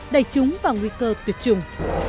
đẩy chúng vào nguy cơ tuyệt trùng